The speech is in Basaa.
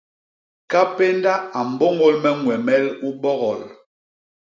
Kapénda a mbôñôl me ñwemel u bogol.